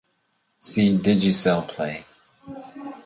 See Digicel Play.